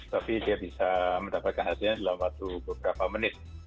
tapi dia bisa mendapatkan hasilnya dalam waktu beberapa menit